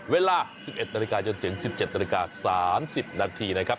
เวลา๑๑นจนถึง๑๗น๓๐นนะครับ